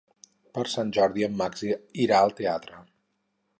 Per Sant Jordi en Max irà al teatre.